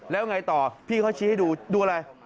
แล้วไงต่อพี่เขาชี้ให้ดูดูอะไร